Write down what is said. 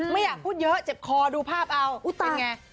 ไม่อยากพูดเยอะเจ็บคอดูภาพเอาอุ๊ยเป็นไง